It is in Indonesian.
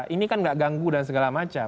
ini kan nggak ganggu dan segala macam